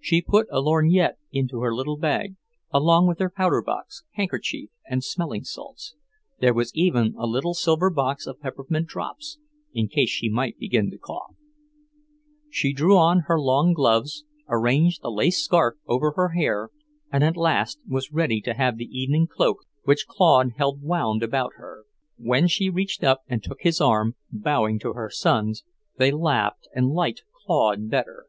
She put a lorgnette into her little bag, along with her powder box, handkerchief and smelling salts, there was even a little silver box of peppermint drops, in case she might begin to cough. She drew on her long gloves, arranged a lace scarf over her hair, and at last was ready to have the evening cloak which Claude held wound about her. When she reached up and took his arm, bowing to her sons, they laughed and liked Claude better.